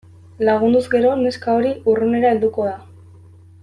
Lagunduz gero neska hori urrunera helduko da.